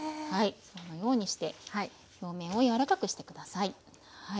そのようにして表面を柔らかくして下さい。